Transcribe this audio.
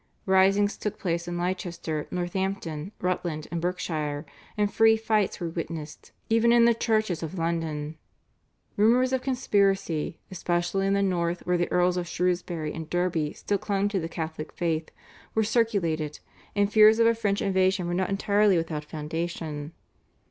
Risings took place in Leicester, Northampton, Rutland, and Berkshire, and free fights were witnessed even in the churches of London. Rumours of conspiracy, especially in the north, where the Earls of Shrewsbury and Derby still clung to the Catholic faith, were circulated, and fears of a French invasion were not entirely without foundation.